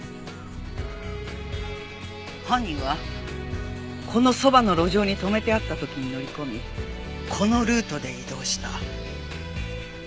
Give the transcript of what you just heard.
犯人はこのそばの路上に止めてあった時に乗り込みこのルートで移動した。